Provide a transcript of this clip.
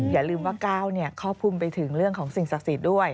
อย่าลืมว่าก้าวเนี่ยข้อพุมไปถึงเรื่องของสิ่งศักดิ์สิทธิ์ด้วย